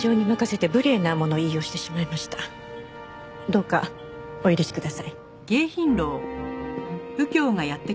どうかお許しください。